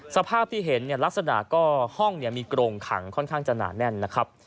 สภาพที่เห็นเนี่ยลักษณะก็ห้องมีโกรงขังค่อนข้างจะหนาแน่นนะครับ